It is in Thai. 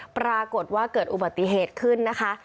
ปรากฏว่าเกิดอุบัติเหตุขึ้นนะคะ